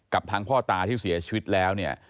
กับทางพ่อตาที่เสียชีวิตแล้วเนี่ย